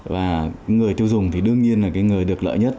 và người tiêu dùng thì đương nhiên là cái người được lợi nhất